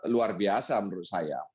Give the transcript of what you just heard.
luar biasa menurut saya